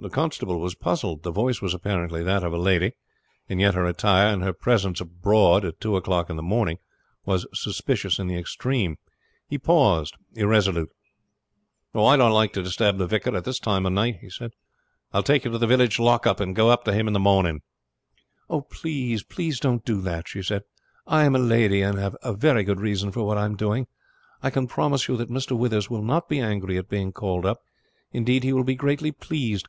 The constable was puzzled. The voice was apparently that of a lady, and yet her attire, and her presence abroad at two o'clock in the morning, was suspicious in the extreme. He paused irresolute. "I don't like to disturb the vicar at this time of night," he said. "I will take you to the village lockup and go up to him in the morning." "Please don't do that," she said. "I am a lady, and have a very good reason for what I am doing. I can promise you that Mr. Withers will not be angry at being called up; indeed he will be greatly pleased.